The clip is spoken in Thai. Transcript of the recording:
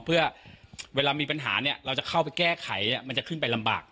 เพื่อเวลามีปัญหาเนี่ยเราจะเข้าไปแก้ไขมันจะขึ้นไปลำบาก